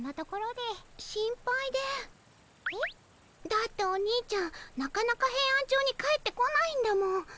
だっておにいちゃんなかなかヘイアンチョウに帰ってこないんだもん。